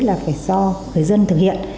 là phải do người dân thực hiện